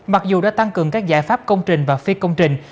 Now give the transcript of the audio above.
mặc dù đã tăng cường các giải pháp công trình và phi công trình